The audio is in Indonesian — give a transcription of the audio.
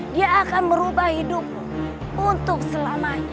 dia akan merubah hidupmu untuk selamanya